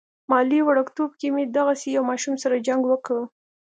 مالې وړوکتوب کې مې دغسې يو ماشوم سره جنګ وکه.